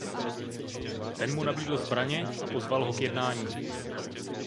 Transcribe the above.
Ten mu nabídl zbraně a pozval ho k jednání.